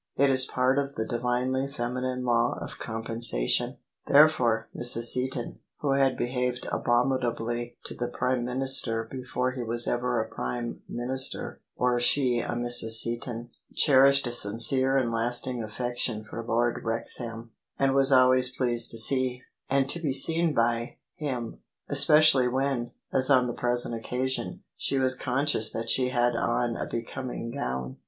It is part of the divinely feminine law of compensation. Therefore Mrs. Seaton — ^who had behaved abominably to THE SUBJECTION the Prime Minister before he was ever a Prime Minister or she a Mrs. Seaton — cherished a sincere and lasting afiEection for Lord Wrexham: and was always pleased to see — ^and to be seen by — ^him : especially when, as on the present occa sion, she was conscious that she had on a becoming gown.